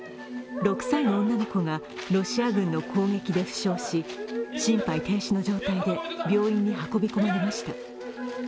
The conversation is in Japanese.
６歳の女の子がロシア軍の攻撃で負傷し心肺停止の状態で病院に運びこまれした。